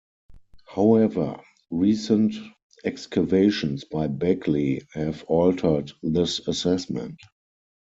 However, recent excavations by Begley have altered this assessment.